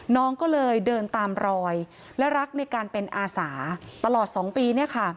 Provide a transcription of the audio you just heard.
น้องก็เลยเดินตามรอยและรักในการเป็นอาสาตลอด๒ปี